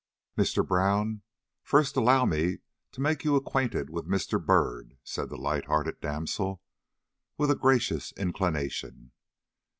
"Mr. Brown, first allow me to make you acquainted with Mr. Byrd," said the light hearted damsel, with a gracious inclination.